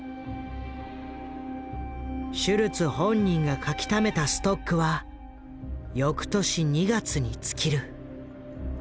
シュルツ本人が描きためたストックは翌年２月に尽きる。